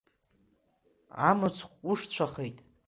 Амыцхә уҟәышцәахеит.